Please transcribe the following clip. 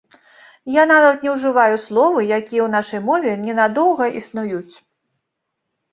Я нават не ўжываю словы, якія ў нашай мове не надоўга існуюць.